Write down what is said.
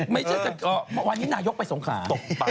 ไม่ใช่แต่วันนี้นายกไปสงขา